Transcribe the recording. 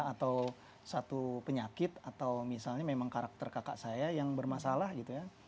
atau satu penyakit atau misalnya memang karakter kakak saya yang bermasalah gitu ya